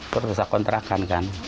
perusaha kontrakan kan